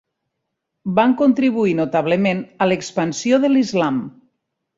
Van contribuir notablement a l'expansió de l'Islam.